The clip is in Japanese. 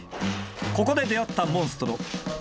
ここで出会ったモンストロ。